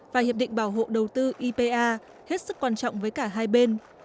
và hiệp định bảo hộ đầu tư ipa hết sức quan trọng với cả hai bên